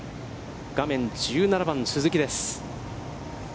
画面１７番、鈴木です。